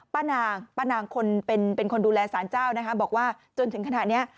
ป้านางป้านางคนเป็นคนดูแลสารเจ้านะคะบอกว่าจนถึงขณะนี้